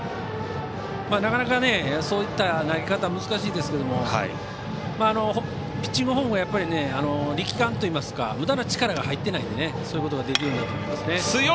なかなかそういった投げ方は難しいですけれどもピッチングフォームの力感といいますかむだな力が入っていないのでそういうことができるんだと思います。